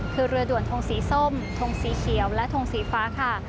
คือเรือด่วนทงสีส้มทงสีเขียวและทงสีฟ้าค่ะ